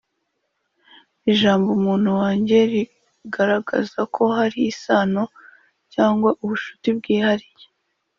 ijambo umuntu wanjye rigaragaza ko hari isano cyangwa ubushuti bwihariye